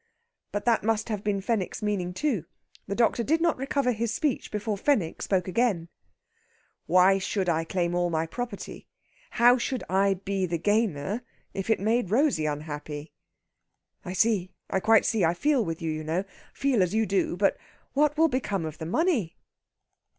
But that must have been Fenwick's meaning, too. The doctor did not recover his speech before Fenwick spoke again: "Why should I claim all my property? How should I be the gainer if it made Rosey unhappy?" "I see. I quite see. I feel with you, you know; feel as you do. But what will become of the money?"